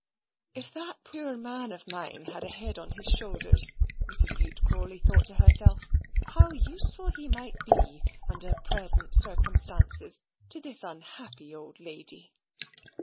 "If that poor man of mine had a head on his shoulders," Mrs. Bute Crawley thought to herself, "how useful he might be, under present circumstances, to this unhappy old lady!